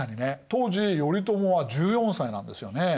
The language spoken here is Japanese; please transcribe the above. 当時頼朝は１４歳なんですよね。